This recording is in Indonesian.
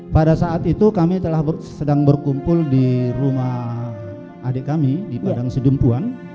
pada saat itu kami sedang berkumpul di rumah adik kami di padang sedempuan